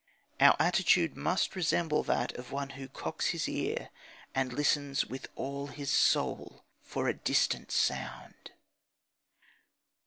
Our attitude must resemble that of one who cocks his ear and listens with all his soul for a distant sound.